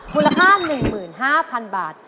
คุณราคา๑๕๐๐๐บาท